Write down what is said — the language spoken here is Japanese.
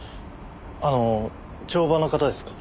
あの帳場の方ですか？